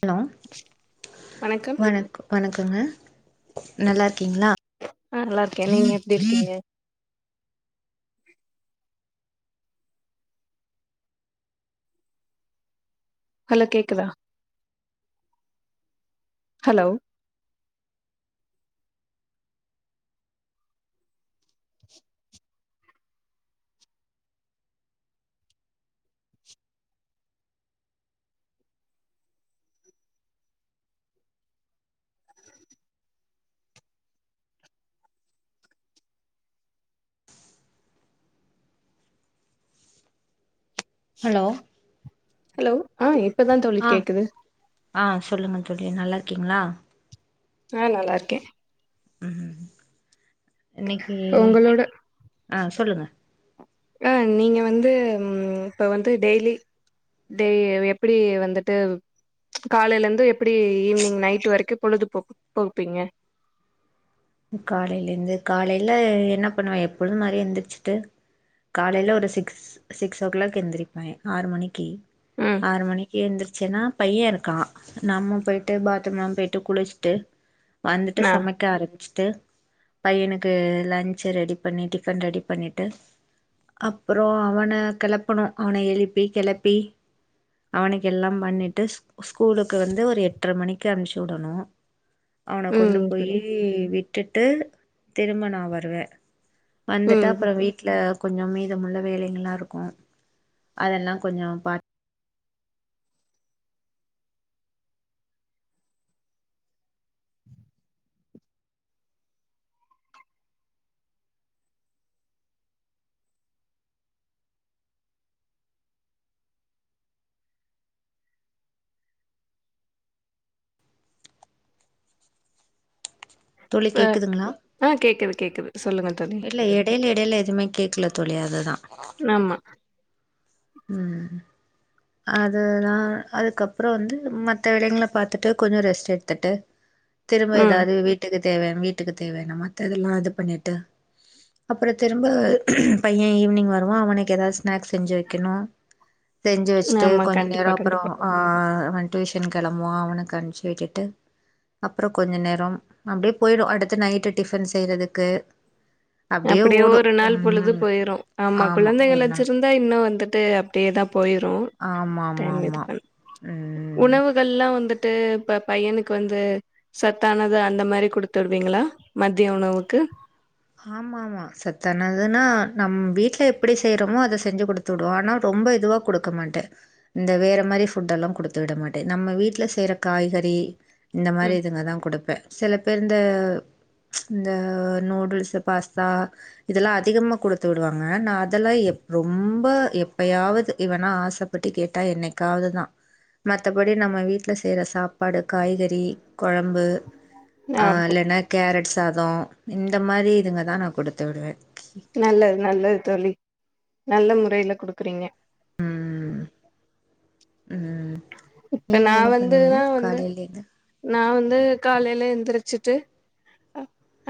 Hello வணக்கம் வணக்கோ வணக் கொங்க நல்லா இருக்கீங்களா ஆ நல்லா இருக்கே நீங்க எப்டி இருக்கீங்க ஹலோ கேக்குதா ஹலோ ஹலோ ஹலோ ஆ இப்பதா தோழி ஆ கேக்குது ஆ சொல்லுங்க தோழி நல்லா இருக்கீங்களா ஆ நல்லா இருக்கே ம் இன்னைக்கு உங்களோட ஆ சொல்லுங்க ஆ நீங்க வந்து உம் இப்ப வந்து டெய்லி டெய் எ எப்படி வந்துட்டு காலைல இருந்து எப்படி ஈவி்னிங் நைட் வரைக்கு பொழுது போக்கு போகுப்பீங்க காலைல இருந்து காலைல என்ன பண்ணுவே எப்பொழுது மாரி எந்திரிச்சுட்டு காலையில ஒரு சிக்ஸ் சிக்ஸ் ஓ கிளாக் எந்திரிப்பே ஆறு மணிக்கி ம் ஆறு மணிக்கு எந்துருச்சேன்னா பையே இருக்கா நம்ம போயிட்டு பாத்ரூம் எலாம் போயிட்டு குளிச்சிட்டு வந்துட்டு ஆ சமைக்க ஆரம்பிச்சு ட்டு பையனுகு லன்ச்சு ரெடி பண்ணி டிஃபன் ரெடி பண்ணிட்டு அவன கொண்டு ம் போயி புரியுது விட் ட்டுட்டு திரும்ப நா வருவே வந்துடா ம் அப்றோ வீட்ல கொஞ்சோ மீதமுள்ள வேலைங்களா இருக்கு அதேலா கொஞ்சோ பாத் தோழி இப்ப கேக்குதுங்ளா ஆ கேக்குது கேக்குது சொல்லுங்க தோழி இல்ல இடையில இடையில எதுவுமே கேக்கலத் தோழி அதுதா நாமா உம் அதுதா அதுக்கப்றோ வந்து மத்த வேலைங்கள பாத்தூட்டு கொஞ்சோ ரெஸ்ட் எடுத்துட்டு திரும்ப ம் ஏதாவ்து வீட்டுகு தேவயான வீட்டுக்கு தேவயான மத்ததெல்லா இது பண்ணிட்டு அப்புறோ திரும்ப பைய்யன் ஈவினிங் வருவான் அவனுக்கு எதாவது ஸ்நாக்ஸ் செஞ்சு வெக்கணு செஞ்சு வெச்சுட்டு ஆமா கொஞ்சோ நேரோ கண்டிப்பா அப்புறோ கண்டிப்பா எ வந் டியூஷன் கெளம்புவான் அவனுக்கு அனுப்புச்சு விட்டுட்டு அப்பறொ கொஞ்சொ நேரம் அப்டியே போயிடு அடுத்து நைட்டு டிஃபன் செய்யறதுக்கு அப்டியே ஓடு ஒரு நாள் பொழுது ம் போயிரு ஆமா குழந்தைகள் ஒரு நாள் வெச்சிருந்தா இன்னு வந்துட் ட்டு அப்டியேதா போயிரு ஆமா ஆமா டைம் ஆமா இதுபன் ம் உணவுகள்லா வந்துட் ட்டு இப்ப பைய்யனுக்கு வந்து சத்தானது அந்த மாரி குடுத்து விடறீங்ளா மத்திய உணவுக்கு ஆமாமா சத்தானதுனா நம் வீட்ல எப்டி செய்றமோ அத செஞ்சு குடுத்துடுவோ ஆனா ரொம்ப இதுவா குடுக்கமாட்ட இந்த வேற மாரி ஃபுட் எல்லா குடுத்து விடமாட்ட நம்ம வீட்ல செய்ற காய்கறி இந்த மாரி ம் இதுங்கதா குடுப்ப சிலப் பிறந்த ச்ச இந்த நூடுல்ஸ் இந்த பாஸ்தா இதெல்லா அதிகமா குடுத்து விடுவாங்க நா அதெல்லா எப் ரொம்ப எப்பயாவது இவனா ஆச பட்டு கேட்டா என்னைகாவதுதா மத்தபடி நம்ம வீட்ல செய்ற சாப்பாடு காய்கறி கொழம்பு எ ஆ இல்லனா கேரட் சாதோ இந்த மாரி இதுங்கதா நா குடுத்துவிடுவே நல்லது நல்லது தோழி நல்ல முறைல குடுக்கறீங்க ம் ம் இப்ப நீங்க நா என்ன பண்ணுவீங்க காலைலயிந்து து காலைல எந்திருச்சுட்டு ஹ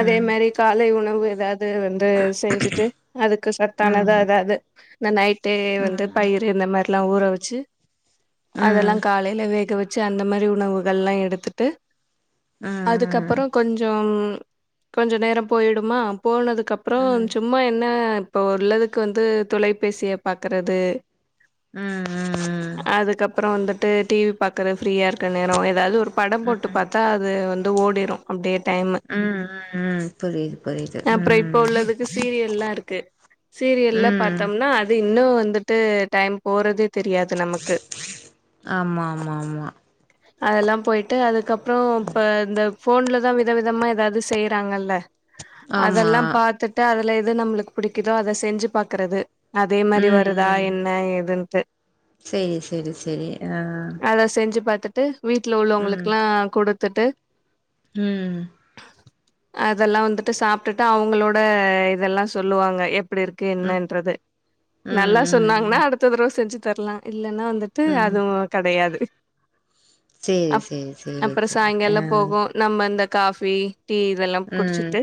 அதே ம் மாரி காலை உணவு அது வந்து செஞ்சுட்டு அதுக்கு சத்தானதா ம் எதாது இந்த நைட் டு வந்து ம் பயிர் இந்த மாரி எல்லா ஊற வெச்சு அதெல்லா ம் காலைல வேக வெ ச்சு அந்த மாரி உணவுகள் எல்லா எடுத்துட்டு ம் ம் அதுக்கப்புறோ கொஞ்சோ கொஞ்ச நேரோ போய்டுமா ம் போனதுக்கப்புறோ ம் சும்மா என்ன இப்ப உள்ளதுக்கு வந்து தொலைபேசிய பாக்குறது ம் அதுக்கப் அப்புறோ வந்துட்டு டி வி பாக்கற ஃப்ரியா இருக்கிற நேரோ எதாவது படம் ம் போட்டு ம் பாத்தா அது வந் ஓடிரு அப்டே டைமு ம். புரியுது புரியுது அப்புறோ இப்ப ம் உள்ளதுக்கு சீரியல்லா இருக்கு சீரியல்ல ம் பாத்தோம்னா அது இன்னும் வந்துட்டு டைம் போறது தெரியாது நமக்கு ஆமா ஆமா ஆமா அதெல்லாம் போயிட்டு அதுக்கப் அப்புறோ இப்போ இந்தப் ஃபோன்ல தா விதவிதமா ஏதாவது செய்யறாங்கல்ல ஆமா அதெல்லாம் பாத்துட்டு அதுல எது நம்மளுக்கு பிடிக்குதோ அத செஞ்சு பாக்குறது அதே மாரி ம் வருதா ம் என்ன எது இன்ட்டு சேரி சேரி சேரி ஆஹ் பாத்துட்டு வீட்டுல உள்ளவங்களுக்கெல்லா கொடு துத்துட்டு ஹம் அதெல்லா வந்துட்டு சாப்டுட்டு அவுங்களோட இதெல்லா சொல்லுவாங்க எப்டி இருக்கு ம் என்னான்றது நல்லா சொன்னாங்கன்னா ம் ம் அடுத்த தடவுவ செஞ்சு தரலா இல்லைன்னா வந்து ட்டு ம் அதுவும் கெடையாது சேரி அப் சேரி சேரி அப்றோ சேரி சாயங்காலோ ஆ போகோ நம்ம அந்த காஃபி டீ இதெல்லாம் ம் குடிச்சிட்டு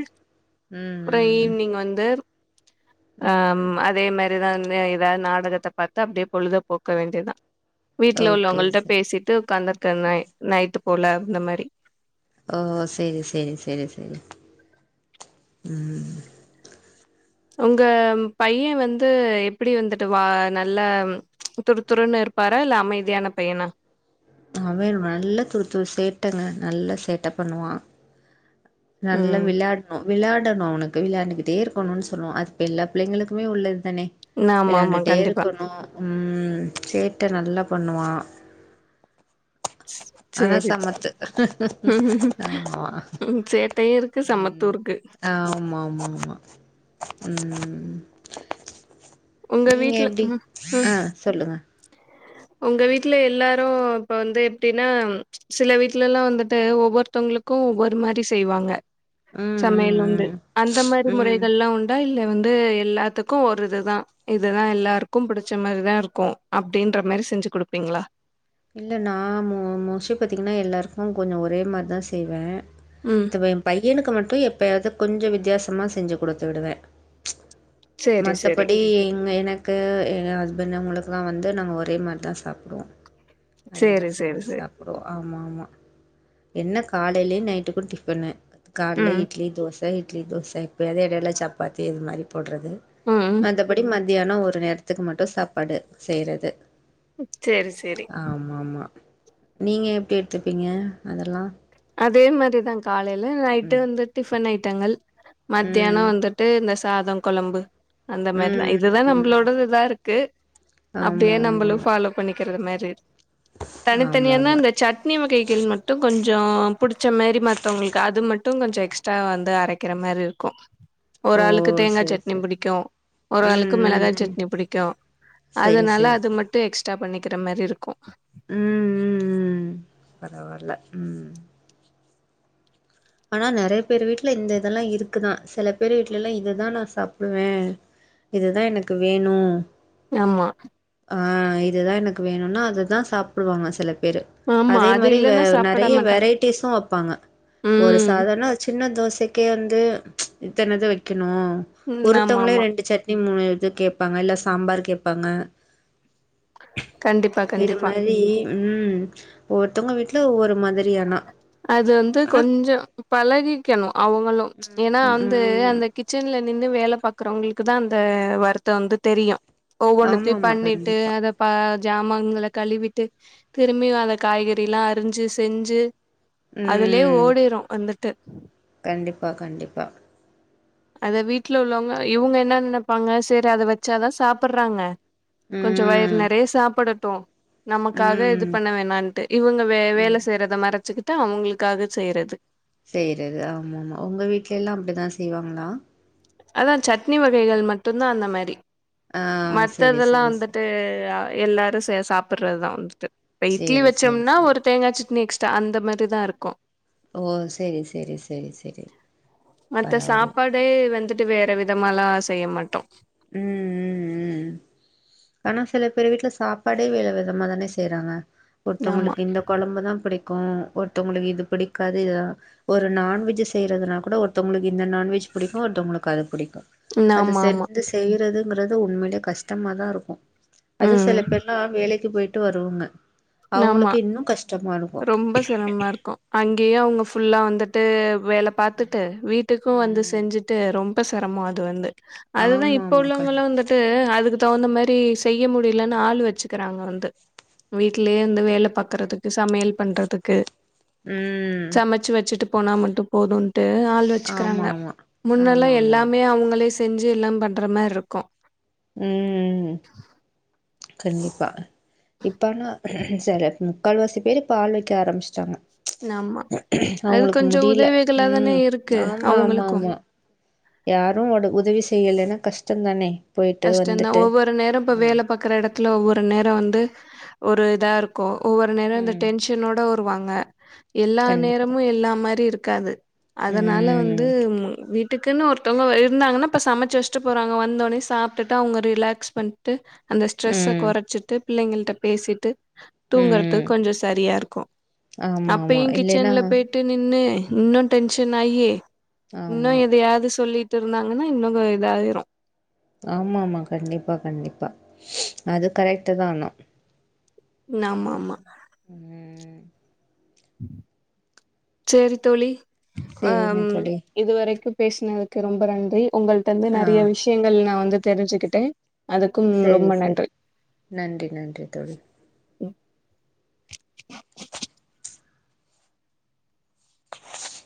அப்புறோ ம் ம் ஈவினிங் வந்து அஹம் ம் அதே மாரி அப்டிதா ஏதாவது நாடகத்த பாத்து அப்டியே பொழுத போக்க வேண்டியதுதா வீட்ல ஓகே உள்ளவங்கள்ட சார் பேசிட்டு ஒக்காந்து இருக்கேன் நைட் போல இந்த மாரி ஓ சேரி சேரி சேரி சேரி உம் உங்க பையன் வந்து எப்டி வந்துட்டு வா நல்ல துருதுருன்னு இருப்பாரா இல்ல அமைதியான பைய்யனா அவன் நல்ல துரு துரு சேட்டங்க நல்ல சேட்ட பண்ணுவான் நல்ல ம் விளையாட்ணோ விளையாடணு அவுனுக்கு விளையாண்டுக்கிட்டே இருக்கணும்னு சொல்லுவான் அது இப்போ எல்லா பிள்ளைங்களுக்குமே உள்ளது தானே ஆமா ஆமா விளையாண்டுட்டே கண்டிப்பா இருக்கணு ம் சேட்ட நல்லா பண்ணுவா ஆனா சேரி சமத்து ம் ஆமா சேட்டையு இருக்கு சமத்து ம் இருக்கு ஆமாமாமா ம் உங்க நீங்க வீட்ல எப்டி ம் ம் ஆ சொல்லுங்க உங்க வீட்ல எல்லாரூ இப்ப வந்து எப்டின்னா சில வீட்லல்லா வந்துட்டு ஒவ்வொருத்தங்களுக்கூ ஒரு மாரி செய்வாங்க ம் ம் சமையல் வந்து ம். அந்த மாரி ம். முறைகள்லா உண்டா இல்ல வந்து எல்லாத்துக்கூ ஒரு இதுதா இதுதா எல்லாருக்கூ பிடிச்ச மாரிதா இருக்கூ அப்டின்ற மாரி செஞ்சு குடுப்பீங்களா இல்ல நா மோ மோஸ்ட்லி பாத்தீங்னா எல்லாருக்கூ கொஞ்சோ ஒரே மாரிதா செய்வே ம் து எம்பையனுக்கு மட்டூ எப் பையாது கொஞ்சோ வித்தியாசமா செஞ்சு குடுத்து விடுவே சேரி சேரி மத்தபடி இங் எனக்கு தென்னவங்களுக்குலா வந்து நாங்க ஒரே மாரி தா சாப்டுவோ அதேதா சேரி சேரி செஞ்சு சேரி சாப்டுவோ ஆமாமா என்ன காலையிலயூ நைட்டுக்கூ டிஃபனு கால்ல ம் இட்லி தோஸ் ப இட்லி தோச எப்பையாத் எடைல சப்பாத்தி இது மாரி போட்றது ம் மத்தபடி மத் தியானோ ஒரு நேரத்துக்கு மட்டூ சாப்பாடு செய்றது சேரிஸ் ஆமாமா நீங்க எப்டி எடுத்துப்பீங்க அதெல்லா அதே மாறிதாங் காலைல நைட்டு ம் வந்து டிஃபனை டங்கள் மத்தியானோ ம் வந்துட்டு இந்த ஸ் சாதோ கொழம்பு அந்த மாரிதா ம் இதுதா ம் நம்மளோட இதாருக்கு அப்டியே ஆமாம் நம்மளூ ஆமாம் ஆமாம் ஃபாலோ பண்ணிக்கிறது மாரி செர் ஆமாம் தனித்தனியான இந்த ஆமாம் சட்னி வகைகள் மட்டூ கொஞ் ஜோ புடிச்ச மாாரி மத்தவங்களுக்கு அது மட் ட்டூ கொஞ்சோ எக்ஸ்ட்ரா வந்து அரைக்கிற மாரி இருக்கூ ஒரு ஆளுக்கு ஓ தேங்கா சரி சட்னி சரி பிடிக்கூ ஒரு ம் ஆளுக்கு ம் மெளகாயக்ஷ ம் சட்னி பிடிக்கூ சரி அதனால சரி அது சரி மட்டூ எக்ஸ் டா பண்ணிக்கிற மாரி இருக்கூ ம் ம் ம் பரவால்ல ம் ஆனா நிறைய பேர் வீட்டுல இந்த இதெல்லா இருக்குதா சில பேர் வீட்டுல எல்லா இதுதா நா சாப்டுவே இதுதா எனக்கு வேணு ஆமா ஆஹ் இதுதா எனக்கு வேணும்னா அததா சாப்டுவாங்க சில பேரு ஆமா அதே அது மாரி வே இல்லன்னா சாப்பிட நெறைய மாட்டாங்க வெரைட்டிஸு வைப்பாங்க ஒரு ம் சாதாரண சின்ன தோசைக்கே வந்து இத்தனைது வைக்க னு ஆமா ஒருத்தங்களே ஆமா ரெண்டு சட்னி மூணு இது கேட்பாங்க எல்லாஸ் சாம்பார் கேப்பாங்க கண்டிப்பா இது கண்டிப்பா மாரி உம் ஒவொருத்தவங்க வீட்ல ஒவ்வொரு மா அது வந்து கொஞ்ச பல [unintelligible] க்கனும் அவங்களு ஏன்னா வந்து ம் அந்த கிச்சன்ல நின்னு வேல பாக்குறவங்களுக்குதா அந்த வர்த்தந்து தெரியு ஒவ்வொன்னத்தையு ஆமாமா பண்ணிட்டு கண்டிப்பா அதை பா ஜாமங்கள கழுவிட்டு திரும்பியு அத காய்கறில்லா அறிஞ்சுஸ் செஞ்சு அதுலயே ம் ஓடிரு வந்துட்டு பா கண்டிப்பா அத வீடல உள்ளவங்க இவங்க என்ன நெனப்பாங்க சரி அத வச்சாதா சாப்டுறாங்க கொஞ்ச வயிறு ம் நெறைய சாப்ட ட்டோ நமக்காக இது ம் பண்ண வேணாம்ன்ட்டு இவங்க வே ம் வேலை செய்யறதை மறச்சுக்கிட் தா அவங்களுக்காக செய்றது செய்யறது ஆமா ஆமா உங்க வீட்ல எல்லா அப்டிதா செய்வாங்களா அதா சட் னி வகைகள் மட்டுந்தா அந்த மாரி டி ஆ மத்த செரி இதெல்லா செரி செரி வந்துட்டு அ எல்லாரு செ சாப்புறதுதா வந்துட்டு இப்ப இட்லி செரி செரி வச்சோம்னா செரி ஒரு தேங்கா சட்னி எக்ஸ் த அந்த மாரிதா இருக்கு ஓ சரி சரி சரி சரி பரவால்ல டு வேற விதமாலா செய்ய மாட்டோ உம் உம் ஆனா சில பேர் வீட்ல சாப்பாடே வித விதமா தானே செய்றாங்க ஆமா ஒர்த்தவங்களுக்கு இந்த கொழம்புதா புடி கோ ஒர்த்தவங்களுக்கு இது பிடிக்காது இதுதா ஒரு நான்வெஜ்ஜி செய்யறதுனா கூட ஒர்த்தவுங்குளுக்கு இந்த நான்வெஜ் புடிக்கோ ஒர்த்தவுங்குளுக்கு அது பிடி நா ஆமா ஆமா கிறதுங்கறது உண்மைலே கஷ்டமாதா இருக்கோ அதுவு சில ம் பேர்லா வேலை க்கு போயிட்டு வருங்க ஆமா அவுங்குளுக்கு இன்னு கஷ்டமா இருக்கு ரொம்ப சிரமா இருக்கோ அங்கேயே அவுங்க ஃபுல்லா வந்துட்டு வேல பாத்துட்டு வீட்டுக்கு வந்து ம் செஞ்சுட்டு ரொம்ப சிரமோ அது வந்து அதுதா ஆமா இப்போ ஆமா கண் உள்ளவங்கள்லா வந்துட்டு அதுக்கு தகுந்த மாரி செய்ய முடிலன்ன ஆளு வச்சுக்கிறாங்க வந்து வீடலேயே வந்து வேல பாக்கறதுக்கு சமையல் பண்றதுக்கு ம் சமைச்சு வச்சிட்டு போனா மட்டும் போதுன்னு டு ஆள் ஆமா வச்சுக்கிறாங்க ஆமா முன்னல்லா ஆமா ஆமா எல்லாமே ஆமா அவுங்களே தெஞ்சு எல்லாம் பண்ற மாரி இருக்கோ உம் கண்டிப்பா இப்பானா சில முக்கால்வாசி பேரு இப்ப ஆள் வெக்க ஆரம்பிச்சிட்டாங்க நம்ம அது கொஞ்சோ உதவிகளாதானே ம். இருக்கு அவுங்குளுக்கோ யாரோ ஒடு உதவி செய்யலனா கஷ்டோ தானே போயிட்டு கஷ்டோந்தா வந்துட்டு. ஒவ்வொரு நேரம் இப்ப ம், வேல பாக்கற எட கில ஒவ்வொரு நேரோ வந்து ஒரு இதா இருக்கோ ஒவ்வொரு நேரோ இந்த ம். டென்ஷனோட ஒ ருவாங்க எல்லா கண்டிப்பா. நேரமு எல்லா மாரி இரு காது அதனால ம், வந்து ம் வீ டுக்குன்னு ஒருத்தௌங்க ஒ இருந்தாங்கனா பா சமச்சு வெச்சுட்டு போறாங்க வந்தோனே சாப் ட்ட அவுங்க ரிலாக்ஸ் பண்ட்டு அந்த ஸ்ட்ரெஸ்ச ம், குறச்சிட்டு பிள்ளங்கள்ட்ட பேசிட்டு ம். தூங்குறதுக்கு கொஞ்சம் சரியா இருக்கும் ஆமா, ஆமா. அப்பயும் இல்லைன்னா கிச்சன்ல போயிட்டு நின்னு இன்னும் டென்ஷன் ஆயி ஆமா. இன்னும் எதையாவது சொல்லிட்டு விட்டு இருந்தாங்கன்னா இன்னும் இதாயிடும் ஆமாமா கண்டிப்பா கண்டிப்பா அது கரெக்ட தான் ஆகணும் ஆமா ஆமா ம். சரி தோழி சரிங்க ஆஹ் தோழி. இதுவரைக்கும் பேசுனதுக்கு ரொம்ப நன்றி உங்களிட்ட இருந்து நிறைய ஆ. விஷயங்கள் நான் வந்து தெரிஞ்சுக்கிட்டே அதுக்கும் சரி ரொம்ப சரி நன்றி நன்றி நன்றி தோழி ம்